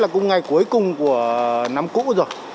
là cũng ngày cuối cùng của năm cũ rồi